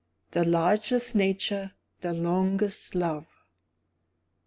The Largest Nature, the Longest Love.